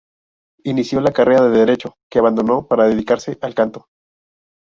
Inició la carrera de derecho, que abandonó para dedicarse al canto.